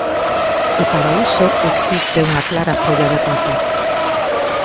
E para iso existe unha clara folla de ruta.